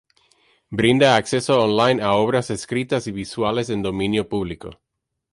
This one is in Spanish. Brinda acceso online a obras escritas y visuales en dominio público.